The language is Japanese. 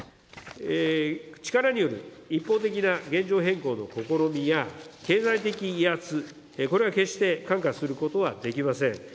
力による一方的な現状変更の試みや、経済的威圧、これは決して看過することはできません。